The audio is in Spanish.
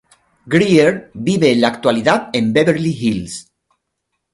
Grier vive en la actualidad en Beverly Hills.